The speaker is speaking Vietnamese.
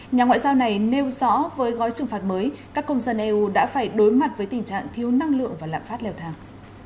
nhà ngoại giao này nêu rõ với gói trừng phạt mới các công dân eu đã phải đối mặt với tình trạng thiếu năng lượng và lạm phát leo thẳng